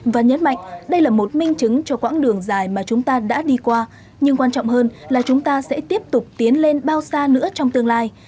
và nhấn mạnh đây là một minh chứng cho quãng đường dài mà chúng ta đã đi qua nhưng quan trọng hơn là chúng ta sẽ tiếp tục tiến lên bao xa nữa trong tương lai